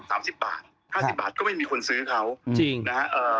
สามสิบบาทห้าสิบบาทก็ไม่มีคนซื้อเขาจริงนะฮะเอ่อ